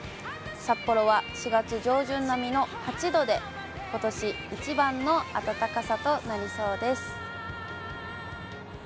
札幌は４月上旬並みの８度で、ことし一番の暖かさとなりそうです。